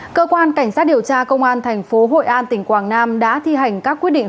cơ quan cảnh sát điều tra công an thành phố hội an tỉnh quảng nam đã thi hành các quyết định